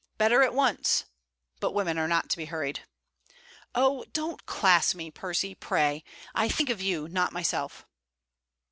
Better at once. But women are not to be hurried.' 'Oh! don't class me, Percy, pray! I think of you, not of myself.'